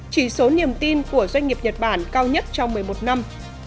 chỉ số niềm tin của doanh nghiệp nhật bản cao nhất trong một mươi một năm